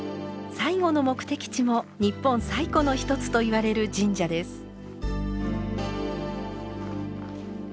最後の目的地も日本最古の一つといわれる神社です。